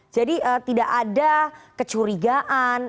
jadi tidak ada kecurigaan